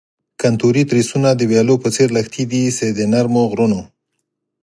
کنتوري تریسونه د ویالو په څیر لښتې دي چې د نرمو غرونو.